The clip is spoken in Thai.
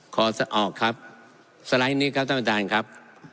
ขอออกครับสไลด์นี้ครับท่านประธานครับ